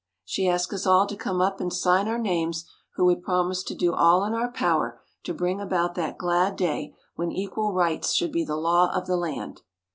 She asked us all to come up and sign our names who would promise to do all in our power to bring about that glad day when equal rights should be the law of the land.